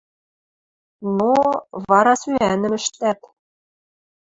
Но... вара сӱӓнӹм ӹштӓт.